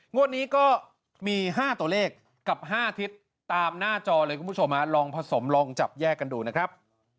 งวดนี้ก็มี๕ตัวเลขกับ๕ทิศตามหน้าจอเลยคุณผู้ชมลองผสมลองจับแยกกันดูนะครับ